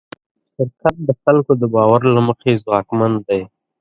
شرکت د خلکو د باور له مخې ځواکمن دی.